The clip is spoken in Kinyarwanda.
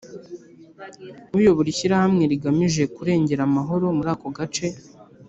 uyobora ishyirahamwe rigamije kurengera amahoro muri ako gace